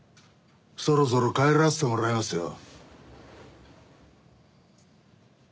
そろそろ帰らせてもらいますよ。